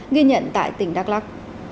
nghiên nhận tại tỉnh đắk lắc